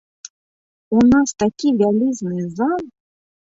У нас такі вялізны зал.